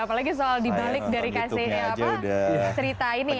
apalagi soal dibalik dari kasih cerita ini